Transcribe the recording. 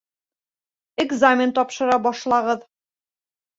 Экзамен тапшыра башлағыҙ